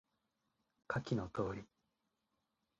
下記の通り